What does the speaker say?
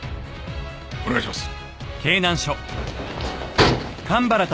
お願いします。